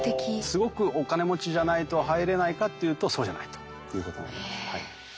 すごくお金持ちじゃないと入れないかっていうとそうじゃないということになります。